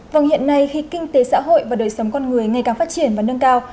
vâng hiện nay khi kinh tế xã hội và đời sống con người ngày càng phát triển và nâng cao